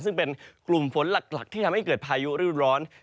ซึ่งเป็นกลุ่มฝนหลักที่ทำให้เกิดพายุฤดูร้อน